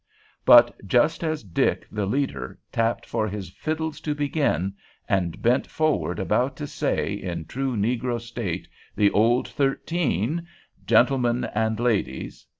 But just as Dick, the leader, tapped for his fiddles to begin, and bent forward, about to say, in true negro state, "'The Old Thirteen,' gentlemen and ladies!"